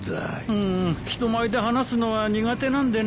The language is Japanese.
うーん人前で話すのは苦手なんでね。